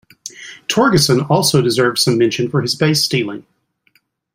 Torgeson also deserves some mention for his base stealing.